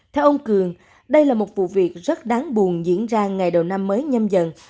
theo ông cường đây là một vụ việc rất đáng buồn diễn ra ngày đầu năm mới nhâm dần